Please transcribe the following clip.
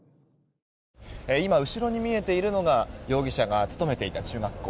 今、後ろに見えているのが容疑者が勤めていた中学校。